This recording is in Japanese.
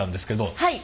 はい。